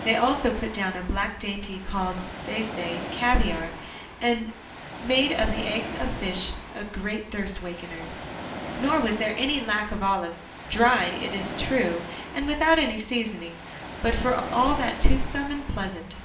They also put down a black dainty called, they say, caviar, and made of the eggs of fish, a great thirst wakener. Nor was there any lack of olives, dry, it is true, and without any seasoning, but for all that toothsome and pleasant.